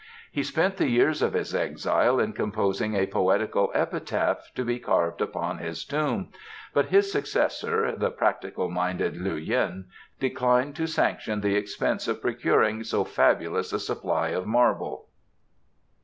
He spent the years of his exile in composing a poetical epitaph to be carved upon his tomb, but his successor, the practical minded Liu yen, declined to sanction the expense of procuring so fabulous a supply of marble.